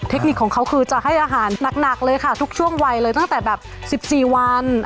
เทคนิคของเขาคือจะให้อาหารหนักเลยค่ะทุกช่วงวัยเลยตั้งแต่แบบ๑๔วัน